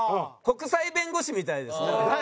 国際弁護士みたいですよね。